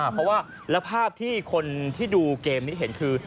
เพราะว่าแล้วภาพที่คนที่ดูเกมนี้เห็นคือ